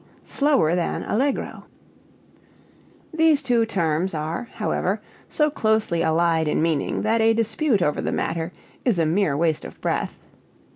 _, slower than allegro. These two terms are, however, so closely allied in meaning that a dispute over the matter is a mere waste of breath.